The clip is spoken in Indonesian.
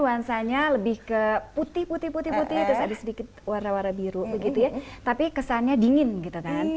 nuansanya lebih ke putih putih putih putih terus ada sedikit warna warna biru begitu ya tapi kesannya dingin gitu kan